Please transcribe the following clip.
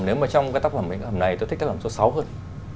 trong những tác phẩm này tôi thích tác phẩm số sáu hơn